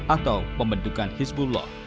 atau pembentukan hizbullah